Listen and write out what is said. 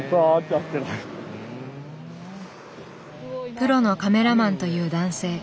プロのカメラマンという男性。